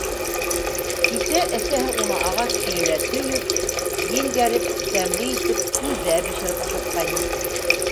Кисә әсәһе уны ағас килелә төйөп,- елгәреп, тәмле итеп күзә бешереп ашатҡайны.